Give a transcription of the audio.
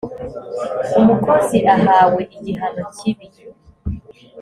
umukozi ahawe igihano cyibi